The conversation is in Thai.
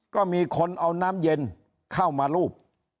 ก็มีคนเอาน้ำเย็นเข้ามารูป